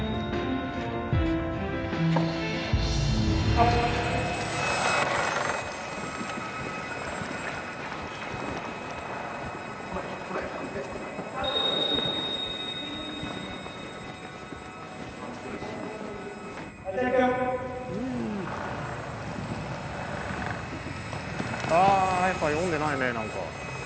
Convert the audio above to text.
あやっぱ読んでないね何か。